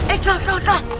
eh kalah kalah kalah